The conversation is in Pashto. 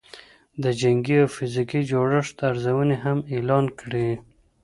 د جنګي او فزیکي جوړښت ارزونې هم اعلان کړې